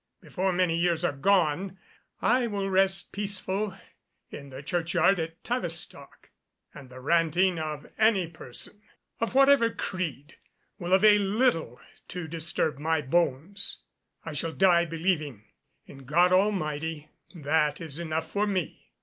Before many years are gone, I will rest peaceful in the churchyard at Tavistock and the ranting of any person, of whatever creed will avail little to disturb my bones. I shall die believing in God Almighty; that is enough for me.